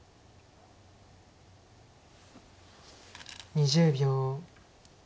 ２０秒。